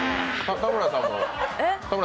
田村さん。